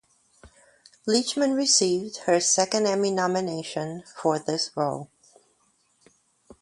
Leachman received her second Emmy nomination for this role.